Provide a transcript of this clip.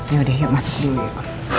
yaudah deh masuk dulu yuk